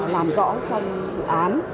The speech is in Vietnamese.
làm rõ trong vụ án